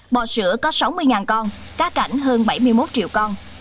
bò sữa có sáu mươi con cá cảnh hơn bảy mươi một triệu con